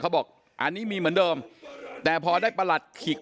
บอกอันนี้มีเหมือนเดิมแต่พอได้ประหลัดขิก